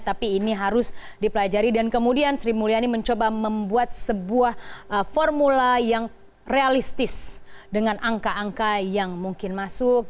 tapi ini harus dipelajari dan kemudian sri mulyani mencoba membuat sebuah formula yang realistis dengan angka angka yang mungkin masuk